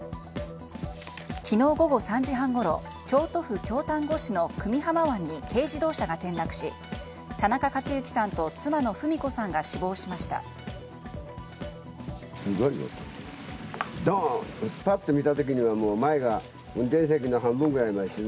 昨日午後３時半ごろ京都府京丹後市の久美浜湾に軽自動車が転落し田中勝之さんと妻の文子さんが死亡しました。